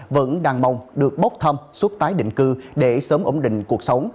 vẫn đang mong được bóc thăm xuất tái định cư để sớm ổn định cuộc sống